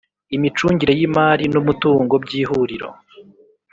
Imicungire y imari n umuntungo by ihuriro